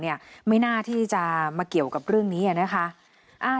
ไม่น่าที่จะมาเกี่ยวกับเรื่องนี้นะคะ